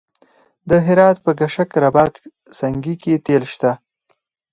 د هرات په کشک رباط سنګي کې تیل شته.